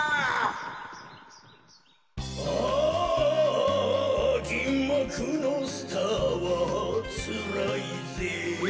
「ああぎんまくのスターはつらいぜぇ」